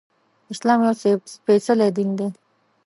اسلام يو سپيڅلی دين دی